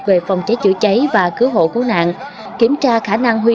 về phòng chữa chữa cháy và cứu hộ cứu nạn